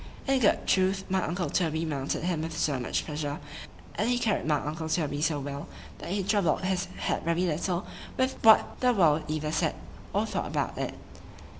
In good truth, my uncle Toby mounted him with so much pleasure, and he carried my uncle Toby so well,——that he troubled his head very little with what the world either said or thought about it.